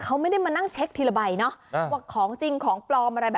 เขาไม่ได้มานั่งทีละใบว่าของจริงของปลอม